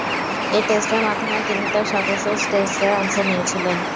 এ টেস্টের মাধ্যমেই তিনি তার সর্বশেষ টেস্টে অংশ নিয়েছিলেন।